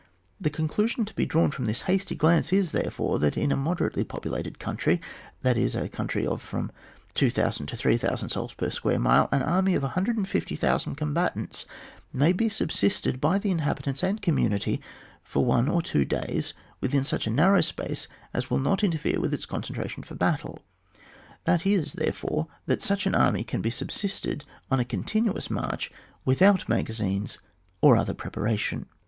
The conclusion to be drawn from this hasty glance is, therefore, that in a moderately populated country, that is, a country of from 2,000 to 3,000 souls per square mile, an army of 150,000 com batants may be subsisted by the inhabi tants and community for one or two days within such a narrow space as will not interfere with its concentration for battle, that is, therefore, that such an army can be subsisted on a continuous march without magazines or other prepara tion.